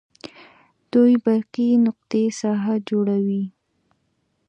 دوې برقي نقطې ساحه جوړوي.